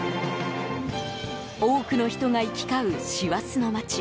多くの人が行き交う師走の街。